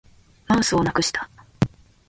マウスをなくした